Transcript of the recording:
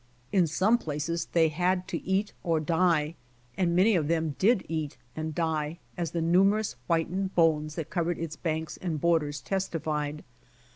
In some places they had to eat or die and many of them did eat and die, as the numerous whitened bones that covered its banks and borders testified.